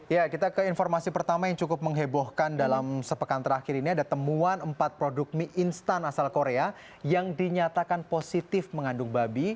ya kita ke informasi pertama yang cukup menghebohkan dalam sepekan terakhir ini ada temuan empat produk mie instan asal korea yang dinyatakan positif mengandung babi